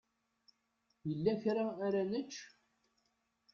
Yella kra ara nečč?